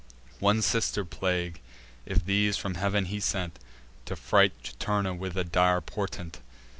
One sister plague if these from heav'n he sent, To fright Juturna with a dire portent.